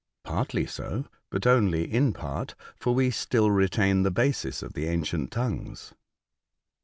" Partly so ; but only in part, for we still retain the basis of the ancient tongues."